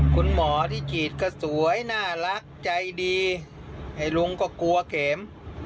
คุณหมอที่ฉีดก็สวยน่ารักใจดีไอ้ลุงก็กลัวเข็ม